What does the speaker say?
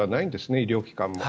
医療機関も。